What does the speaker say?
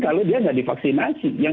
kalau dia tidak divaksinasi yang